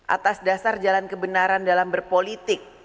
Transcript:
atas dasar jalan kebenaran dalam berpolitik